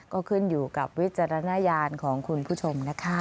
ก็ขึ้นอยู่กับวิจารณญาณของคุณผู้ชมนะคะ